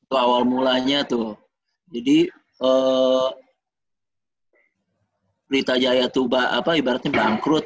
itu awal mulanya tuh jadi ritajaya tuh ibaratnya bangkrut